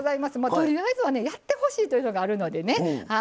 とりあえずはねやってほしいというのがあるのでね。